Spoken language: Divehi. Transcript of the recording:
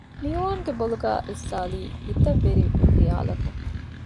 މިއުވާންގެ ބޮލުގައި ރިއްސާލީ ހިތަށް ވެރިވި ޚިޔާލަކުން